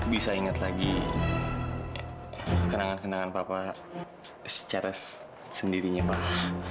bisa ingat lagi kenangan kenangan papa secara sendirinya pak